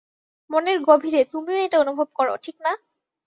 মনের গভীরে, তুমিও এটা অনুভব কর, ঠিক না?